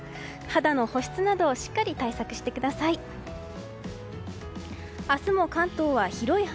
肌の保湿などしっかり対策してください。